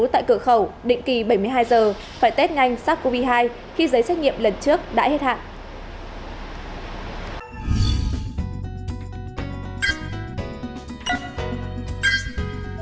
tại cửa khẩu định kỳ bảy mươi hai giờ phải test nhanh sars cov hai khi giấy xét nghiệm lần trước đã hết hạn